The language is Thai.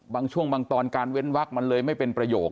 บางช่วงบางตอนการเว้นวักมันเลยไม่เป็นประโยค